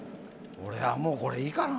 俺はもう、これいいかな。